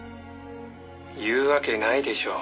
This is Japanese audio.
「言うわけないでしょう。